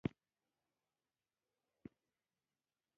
چیني له اکبرجان سره تر خوا پروت او یې پاللو.